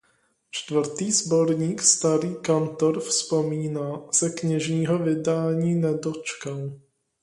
Čtvrtý sborník "Starý kantor vzpomíná" se knižního vydání nedočkal.